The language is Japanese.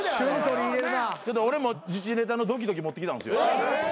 俺も時事ネタのドキドキ持ってきたんですよ。